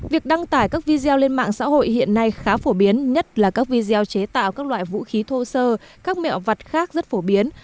việc đăng tải các video lên mạng xã hội hiện nay khá phổ biến nhất là các video chế tạo các loại vũ khí thô sơ các mẹo vật khác rất phổ biến